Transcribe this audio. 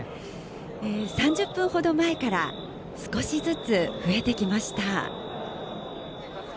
３０分ほど前から少しずつ増えてきました。